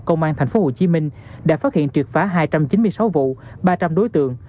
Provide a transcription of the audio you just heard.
công an tp hcm đã phát hiện triệt phá hai trăm chín mươi sáu vụ ba trăm linh đối tượng